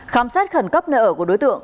khám xét khẩn cấp nợ của đối tượng